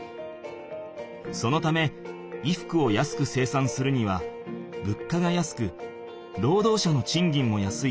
そのため衣服を安く生産するにはぶっかが安くろうどう者のちんぎんも安い